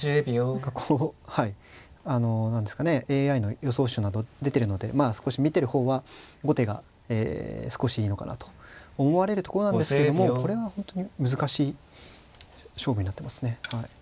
何かこうはいあの何ですかねＡＩの予想手など出てるのでまあ少し見てる方は後手が少しいいのかなと思われるとこなんですけどもこれは本当に難しい勝負になってますね。